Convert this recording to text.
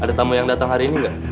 ada tamu yang datang hari ini nggak